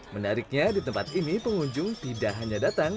menariknya di tempat ini pengunjung tidak hanya datang